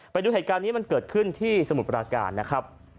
ไปดูเหตุการณ์นี้มันเกิดขึ้นที่สมุทรปราการนะครับ